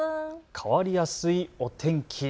変わりやすいお天気。